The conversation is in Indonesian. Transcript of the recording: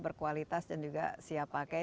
berkualitas dan juga siap pakai